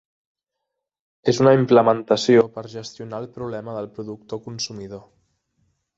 És una implementació per gestionar el problema del productor-consumidor.